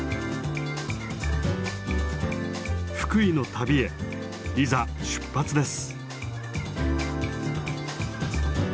福井の旅へいざ出発です。